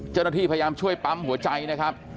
เจ้าหน้าที่พยายามช่วยปั๊มหัวใจนะครับ